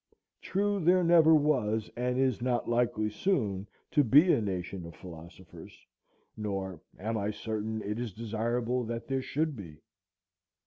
True, there never was and is not likely soon to be a nation of philosophers, nor am I certain it is desirable that there should be.